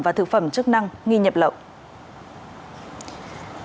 và thực phẩm chức năng nghi nhập lậu